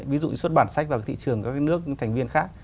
ví dụ xuất bản sách vào thị trường các nước thành viên khác